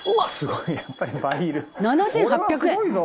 「７８００円！